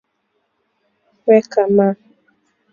Weka ma mbeko yote mu mufuko